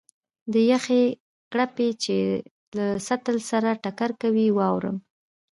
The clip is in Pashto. د یخې کړپی چې له سطل سره ټکر کوي، واورم.